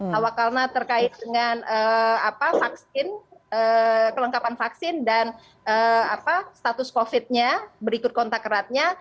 hawakalna terkait dengan vaksin kelengkapan vaksin dan status covid nya berikut kontak eratnya